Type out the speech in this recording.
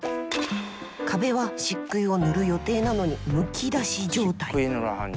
壁は漆喰を塗る予定なのにむき出し状態！